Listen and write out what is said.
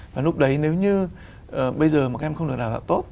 và lúc đấy nếu như bây giờ mà các em không được đào tạo tốt